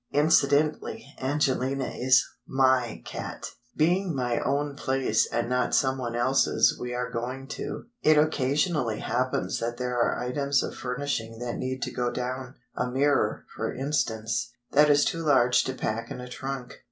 (Incidentally, Angelina is my cat.) Being my own place and not someone else's we are going to, it occasionally happens that there are items of furnishing that need to go down, a mirror, for instance, that is too large to pack in a trunk.